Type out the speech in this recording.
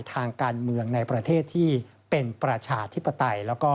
ทางการเมืองในประเทศที่เป็นประชาธิปไตย